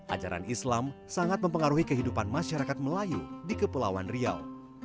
ajaran islam sangat mempengaruhi kehidupan masyarakat melayu di kepulauan riau